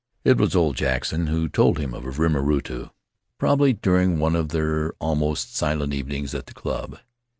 "It was old Jackson who told him of Rimarutu — probably during one of their almost silent evenings at the club.